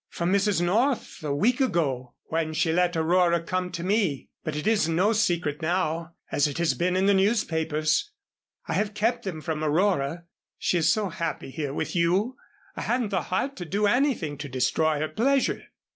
"From Mrs. North a week ago, when she let Aurora come to me. But it is no secret now, as it has been in the newspapers. I have kept them from Aurora. She is so happy here with you I hadn't the heart to do anything to destroy her pleasure."